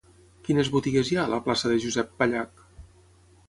Quines botigues hi ha a la plaça de Josep Pallach?